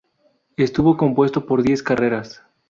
Estuvo compuesto por diez carreras.